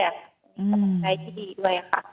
ต้องใช้ที่ดีด้วยค่ะ